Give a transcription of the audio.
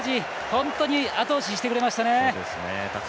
本当にあと押ししてくれましたね。